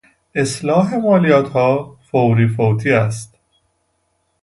اصلاح مالیاتها فوری و فوتی است.